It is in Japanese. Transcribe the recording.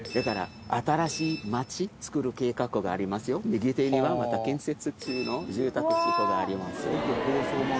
右手にはまだ建設中の住宅地区があります。